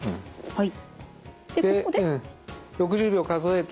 はい。